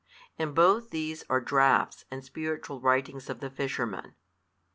And both these are draughts and spiritual writings of the fishermen.